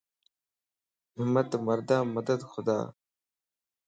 ھمت مردان مددِ خدا